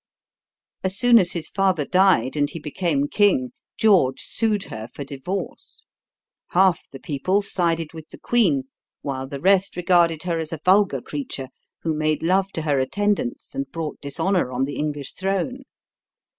As soon as his father died and he became king, George sued her for divorce. Half the people sided with the queen, while the rest regarded her as a vulgar creature who made love to her attendants and brought dishonor on the English throne.